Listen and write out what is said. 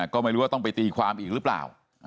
ก็ไม่รู้ว่าต้องไปตีความอีกหรือเปล่า